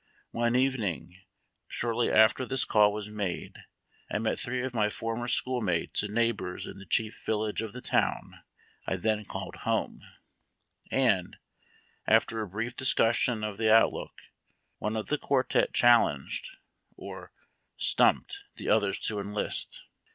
One evening, shortl}^ after this call was made, I met three of my former school mates and neighbors in the chief village of the town I then called home, and, after a brief discussion of the out look, one of the quartette challenged, or "stumped,'^' the others to enlist.